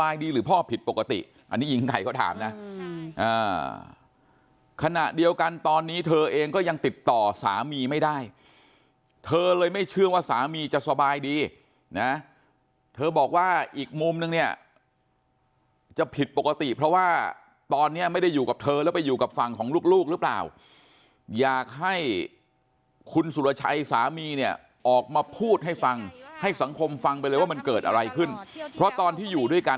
ผิดปกติอันนี้หญิงไก่เขาถามนะขณะเดียวกันตอนนี้เธอเองก็ยังติดต่อสามีไม่ได้เธอเลยไม่เชื่อว่าสามีจะสบายดีนะเธอบอกว่าอีกมุมนึงเนี่ยจะผิดปกติเพราะว่าตอนนี้ไม่ได้อยู่กับเธอแล้วไปอยู่กับฝั่งของลูกหรือเปล่าอยากให้คุณสุรชัยสามีเนี่ยออกมาพูดให้ฟังให้สังคมฟังไปเลยว่ามันเกิดอะไรขึ้นเพราะตอนที่อยู่ด้วยกัน